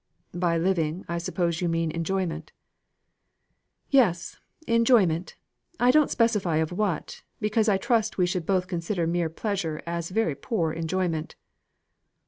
"By living, I suppose you mean enjoyment." "Yes, enjoyment, I don't specify of what, because I trust we should both consider mere pleasure as very poor enjoyment."